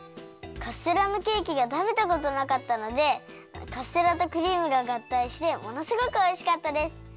カステラのケーキがたべたことなかったのでカステラとクリームががったいしてものすごくおいしかったです。